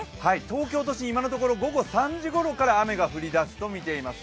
東京都心、今のところ午後３時ごろから雨が降る予想となっています。